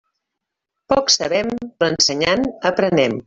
Poc sabem, però ensenyant aprenem.